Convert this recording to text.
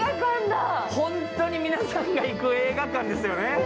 本当に皆さんが行く映画館ですよね。